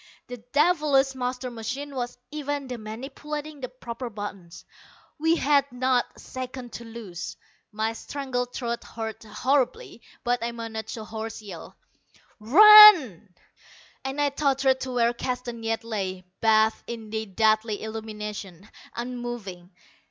The devilish master machine was even then manipulating the proper buttons. We had not a second to lose! My strangled throat hurt horribly, but I managed a hoarse yell, "Run!" and I tottered to where Keston yet lay, bathed in the deadly illumination, unmoving.